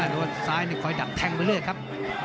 ลัดซ้ายคอยดัดแทงไว้เรื่อยครับ